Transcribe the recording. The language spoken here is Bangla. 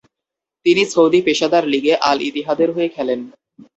তিনি সৌদি পেশাদার লীগে আল-ইতিহাদের হয়ে খেলেন।